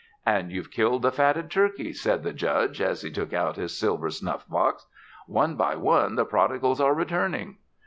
"And you've killed the fatted turkey," said the Judge, as he took out his silver snuff box. "One by one, the prodigals are returning."